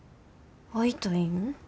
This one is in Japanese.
会いたいん？